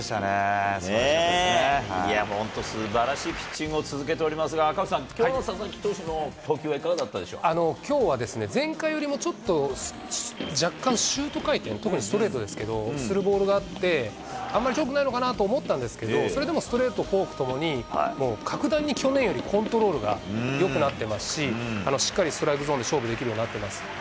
いやもう、本当すばらしいピッチングを続けておりますが、赤星さん、きょうの佐々木投手のきょうは前回よりも、ちょっと若干シュート回転、特にストレートですけど、するボールがあって、あんまり調子よくないのかなと思ったんですけれども、それでもストレート、フォークともに、もう格段に去年よりコントロールがよくなってますし、しっかりストライクゾーンで勝負できるようになってます。